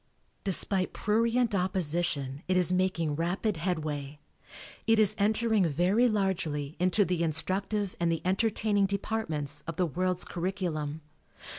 Despite prurient opposition it is making rapid headway. It is entering very largely into the instructive and the entertaining departments of the world's curriculum.